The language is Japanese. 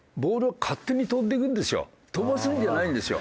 飛ばすんじゃないんですよ。